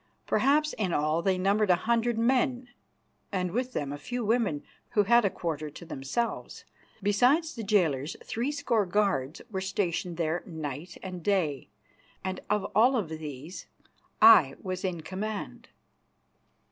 Perhaps in all they numbered a hundred men, and with them a few women, who had a quarter to themselves. Besides the jailers, three score guards were stationed there night and day, and of all of these I was in command.